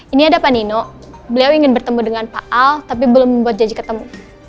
ini ada pak nino beliau ingin bertemu dengan pak al tapi belum membuat janji ketemu